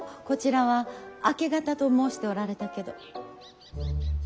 こちらは明け方と申しておられたけど。